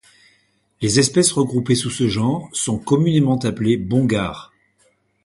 Les espèces regroupées sous ce genre sont communément appelées Bongare.